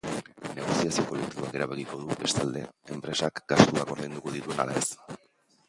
Negoziazio kolektiboak erabakiko du, bestalde, enpresak gastuak ordainduko dituen ala ez.